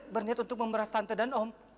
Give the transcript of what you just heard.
berniat untuk memberas tante dan om